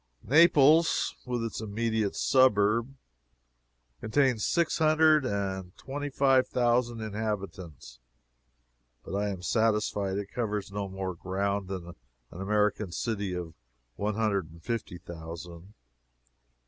Naples, with its immediate suburbs, contains six hundred and twenty five thousand inhabitants, but I am satisfied it covers no more ground than an American city of one hundred and fifty thousand.